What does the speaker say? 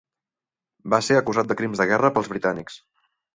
Va ser acusat de crims de guerra pels britànics.